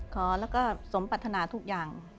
ขอแล้วก็สมปรัฐนาทุกอย่าง